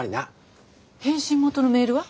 返信元のメールは？